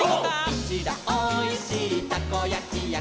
「うちらおいしいたこやきやから」